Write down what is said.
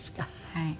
はい。